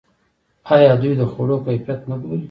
آیا دوی د خوړو کیفیت نه ګوري؟